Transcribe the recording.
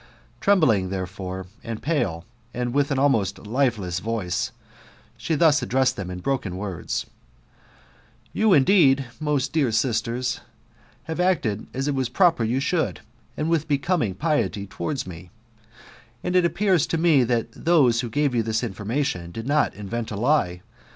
Trembling, therefore, and pale, and with an almost lifeless voice, she thus addressed them in broken words :" You, indeed, most dear sisters, have acted as it was proper you should, i^'th becoming piety towards me ; and it appears to me that those who gave you this information, did not invent a lie.